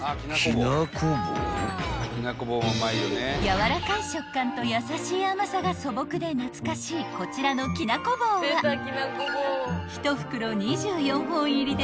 ［やわらかい食感と優しい甘さが素朴で懐かしいこちらのきなこ棒は１袋２４本入りで２７０円］